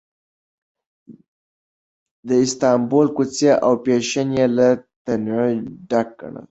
د استانبول کوڅې او فېشن یې له تنوع ډک ګڼل.